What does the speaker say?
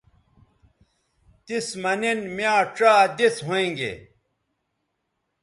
تس مہ نن میاں ڇا دس ھوینگے